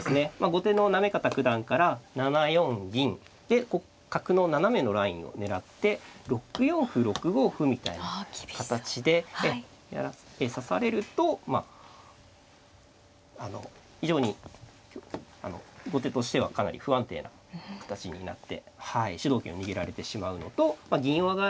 後手の行方九段から７四銀で角の斜めのラインを狙って６四歩６五歩みたいな形で指されると非常に後手としてはかなり不安定な形になって主導権を握られてしまうのと銀を。